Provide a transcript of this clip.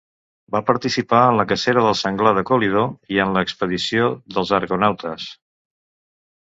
Va participar en la cacera del Senglar de Calidó i en l'expedició dels argonautes.